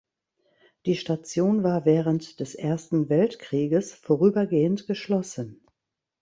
Die Station war während des Ersten Weltkrieges vorübergehend geschlossen.